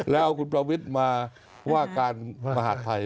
แล้วเอาคุณประวิทย์มาว่าการมหาดไทย